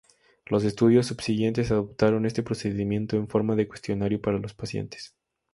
Los estudios subsiguientes adaptaron este procedimiento en forma de un cuestionario para los pacientes.